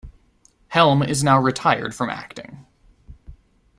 Helm is now retired from acting.